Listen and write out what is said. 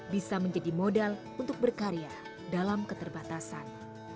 bisa menjadi modal untuk berkarya dalam keterbatasan